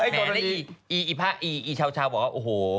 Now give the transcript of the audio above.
แม้นั่นอีชาวบอกว่าโอ้โห